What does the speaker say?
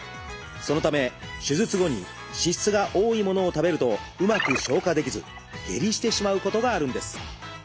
そのため手術後に脂質が多いものを食べるとうまく消化できず下痢してしまうことがあるんです。